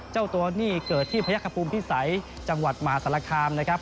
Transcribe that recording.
เจ้าตัวนี่เกิดที่พยักษภูมิพิสัยจังหวัดมหาศาลคามนะครับ